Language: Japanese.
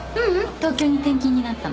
東京に転勤になったの。